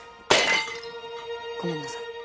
ごめんなさい。